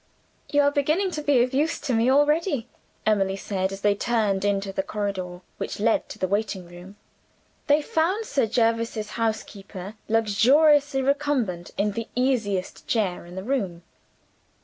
"You are beginning to be of use to me, already," Emily said, as they turned into the corridor which led to the waiting room. They found Sir Jervis's housekeeper luxuriously recumbent in the easiest chair in the room.